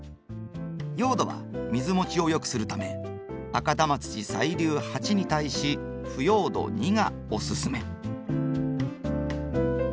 用土は水もちを良くするため赤玉土細粒８に対し腐葉土２がおすすめ。